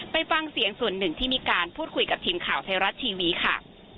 ไปฟังเสียงส่วนหนึ่งที่มีการพูดคุยกับทีมข่าวไทยรัฐทีวีค่ะ